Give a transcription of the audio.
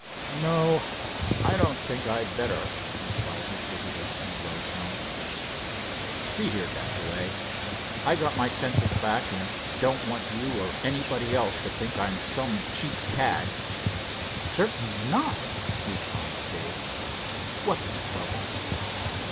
"No, I don't think I'd better," replied his visitor, in a low tone. "See here, Dashaway, I've got my senses back, and I don't want you or anybody else to think I'm some cheap cad." "Certainly not," responded Dave. "What's the trouble?"